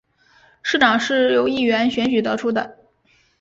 市长是由议员选举得出的。